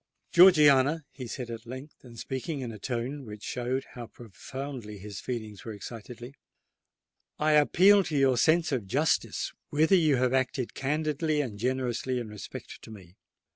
"Georgiana," he said, at length, and speaking in a tone which showed how profoundly his feelings were excited,—"I appeal to your sense of justice whether you have acted candidly and generously in respect to me?